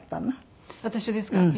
私ですか？